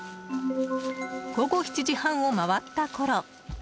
午後７時半を回ったころ